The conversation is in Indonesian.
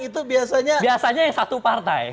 itu biasanya yang satu partai